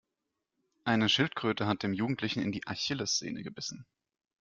Eine Schildkröte hat dem Jugendlichen in die Achillessehne gebissen.